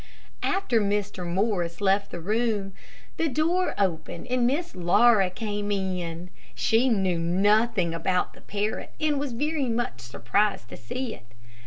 After Mr. Morris left the room, the door opened and Miss Laura came in. She knew nothing about the parrot and was very much surprised to see it.